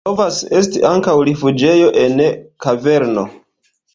Povas esti ankaŭ rifuĝejo en kaverno.